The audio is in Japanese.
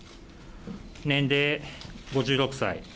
年齢５６歳。